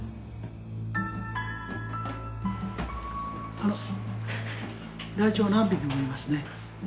あのライチョウ何匹もいますね。